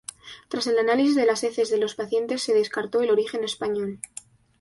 Tras el análisis de las heces de los pacientes, se descartó el origen español.